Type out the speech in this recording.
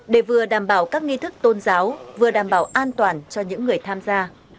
để vừa đảm bảo các nghi thức tôn giáo vừa đảm bảo an toàn cho những người tham gia